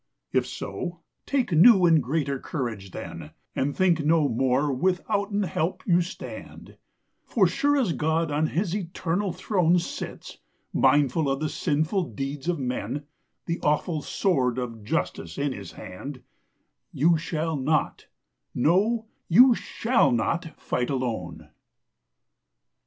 If so, take new and greater courage then, And think no more withouten help you stand; For sure as God on His eternal throne Sits, mindful of the sinful deeds of men, The awful Sword of Justice in His hand, You shall not, no, you shall not, fight alone.